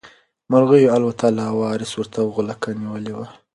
مرغۍ الوتله او وارث ورته غولکه نیولې وه.